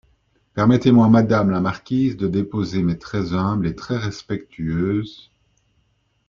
Permettez-moi, madame la marquise, de déposer mes très humbles et très respectueuses…